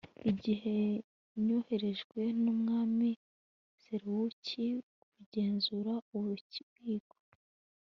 igihe yoherejwe n'umwami selewukusi kugenzura ububiko